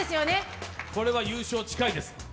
これは優勝近いです。